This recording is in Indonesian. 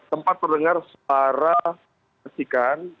tempat terdengar suara kesikan